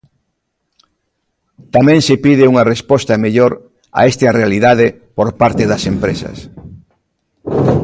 Tamén se pide unha resposta mellor a esta realidade por parte das empresas.